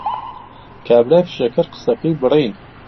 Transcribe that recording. کابرای فشەکەر قسەکەی بڕی